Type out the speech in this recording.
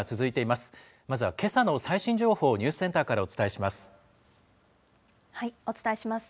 まずはけさの最新情報をニュースセンターからお伝えします。